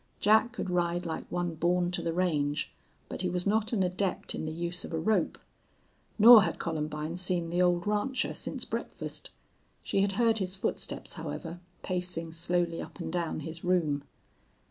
Jack could ride like one born to the range, but he was not an adept in the use of a rope. Nor had Columbine seen the old rancher since breakfast. She had heard his footsteps, however, pacing slowly up and down his room.